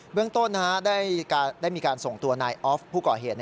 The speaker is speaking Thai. เรื่องต้นได้มีการส่งตัวนายออฟผู้ก่อเหตุ